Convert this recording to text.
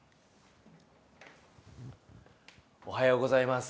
・おはようございます。